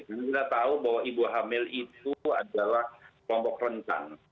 karena kita tahu bahwa ibu hamil itu adalah kelompok rentan